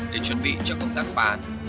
để chuẩn bị cho công tác phá